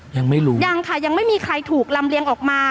ยังไม่รู้ยังค่ะยังไม่มีใครถูกลำเลียงออกมา